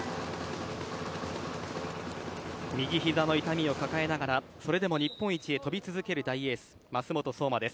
右膝の痛みを抱えながらそれでも日本一へ跳び続ける大エース舛本颯真です。